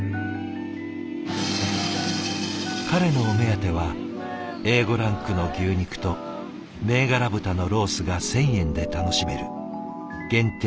彼のお目当てはＡ５ランクの牛肉と銘柄豚のロースが１，０００円で楽しめる限定